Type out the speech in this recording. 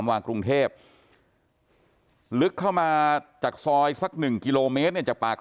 ฝามว่างกรุงเทพฯลึกเข้ามาจากซอยสัก๑กิโลเมตรจากปาก